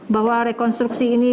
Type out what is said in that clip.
bahwa rekonstruksi ini